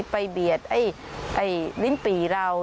เบียดลิ้นปี่เรา